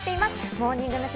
モーニング娘。